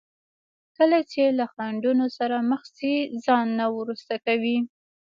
کله چې له خنډونو سره مخ شي ځان نه وروسته کوي.